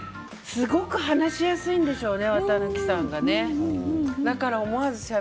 すごく話しやすいんでしょうね